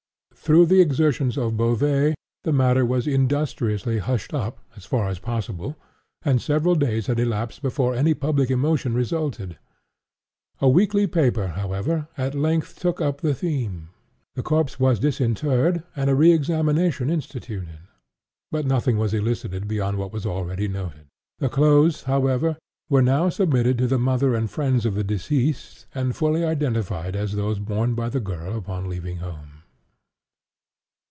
Through the exertions of Beauvais, the matter was industriously hushed up, as far as possible; and several days had elapsed before any public emotion resulted. A weekly paper, (*9) however, at length took up the theme; the corpse was disinterred, and a re examination instituted; but nothing was elicited beyond what has been already noted. The clothes, however, were now submitted to the mother and friends of the deceased, and fully identified as those worn by the girl upon leaving home.